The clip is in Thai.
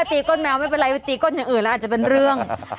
ก้นแมวไม่เป็นไรไปตีก้นอย่างอื่นแล้วอาจจะเป็นเรื่อง